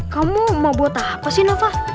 kamu mau buat apa sih nova